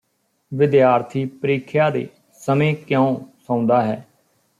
ਵਿਦਿਆਰਥੀ ਪ੍ਰੀਖਿਆ ਦੇ ਸਮੇਂ ਕਿਉਂ ਸੌਂਦਾ ਹੈ